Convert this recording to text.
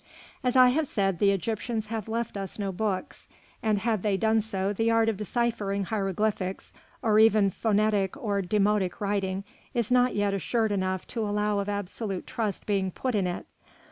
As I have said, the Egyptians have left us no books, and had they done so the art of deciphering hieroglyphics or even phonetic or demotic writing is not yet assured enough to allow of absolute trust being put in it.